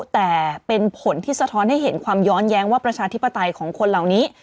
แต่เป็นผลที่สะท้อนให้เห็นความย้อนแย้งว่าประชาธิปไตยของคนเหล่านี้